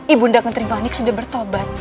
ibunda menteri panik sudah bertobat